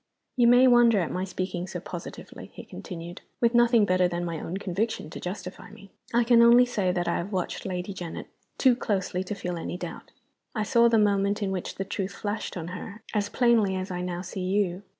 "You may wonder at my speaking so positively," he continued, "with nothing better than my own conviction to justify me. I can only say that I have watched Lady Janet too closely to feel any doubt. I saw the moment in which the truth flashed on her, as plainly as I now see you.